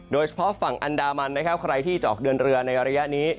โดยเฉพาะฝั่งอันดามันนะครับใครที่จะออกเดินเรือในระยะนี้